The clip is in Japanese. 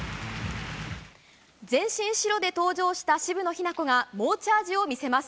全身白で登場した渋野日向子が猛チャージを見せます。